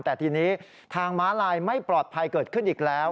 แต่ทีนี้ทางม้าลายไม่ปลอดภัยเกิดขึ้นอีกแล้ว